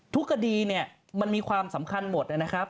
คดีเนี่ยมันมีความสำคัญหมดนะครับ